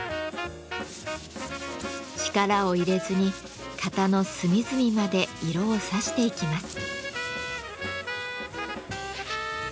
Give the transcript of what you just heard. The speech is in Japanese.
力を入れずに型の隅々まで色をさしていきます。